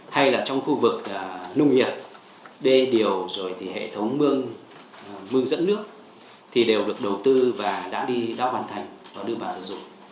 hay là trong khu vực nông nghiệp đê điều rồi thì hệ thống mương mương dẫn nước thì đều được đầu tư và đã hoàn thành và đưa vào sử dụng